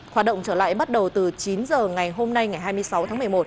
hoạt động trở lại bắt đầu từ chín giờ ngày hôm nay ngày hai mươi sáu tháng một mươi một